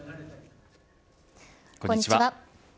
こんにちは。